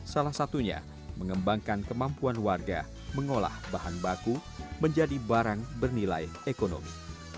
salah satunya mengembangkan kemampuan warga mengolah bahan baku menjadi barang bernilai ekonomi